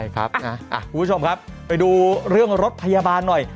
คุณผู้ชมครับไปดูเรื่องรถพยาบาลหน่อย